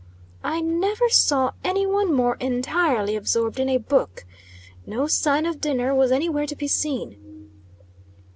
I never saw any one more entirely absorbed in a book. No sign of dinner was any where to be seen.